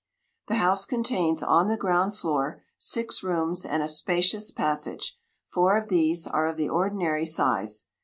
The house contains on the ground floor, six rooms, and a spacious passage: four of these are of the ordinary size.